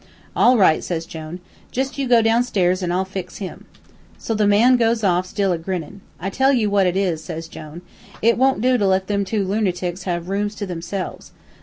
"'All right,' says Jone. 'Jus' you go downstairs, an' I'll fix him.' So the man goes off, still a grinnin'. 'I tell you what it is,' says Jone, 'it wont do to let them two lunertics have rooms to themselves.